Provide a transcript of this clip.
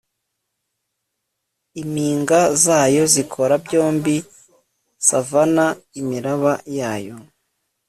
impinga zayo zikora byombi, savannas, imiraba yayo